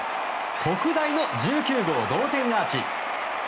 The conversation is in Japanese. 特大の１９号同点アーチ。